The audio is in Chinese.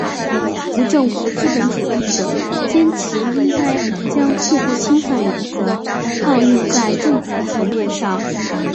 无政府资本主义者坚持应该将互不侵犯原则套用在政府层面上。